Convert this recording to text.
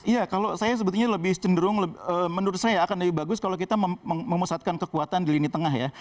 iya kalau saya sebetulnya lebih cenderung menurut saya akan lebih bagus kalau kita memusatkan kekuatan di lini tengah ya